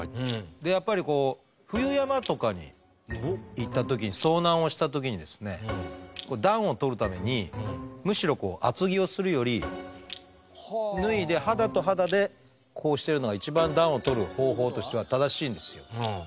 でやっぱりこう冬山とかに行った時に遭難をした時にですね暖をとるためにむしろ厚着をするより脱いで肌と肌でこうしてるのが一番暖をとる方法としては正しいんですよ。